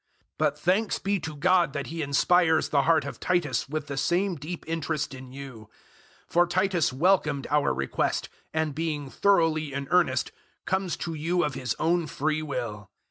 008:016 But thanks be to God that He inspires the heart of Titus with the same deep interest in you; 008:017 for Titus welcomed our request, and, being thoroughly in earnest, comes to you of his own free will.